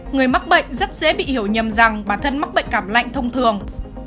người mắc bệnh rất dễ bị hiểu nhầm rằng bản thân mắc bệnh cảm lạnh thông thường